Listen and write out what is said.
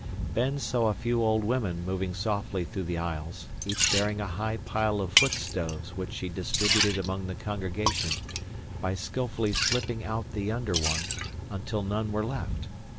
Ben saw a few old women moving softly through the aisles, each bearing a high pile of foot stoves which she distributed among the congregation by skillfully slipping out the under one, until none were left.